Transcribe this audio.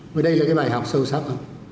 vì đây là cái bài học sâu sắc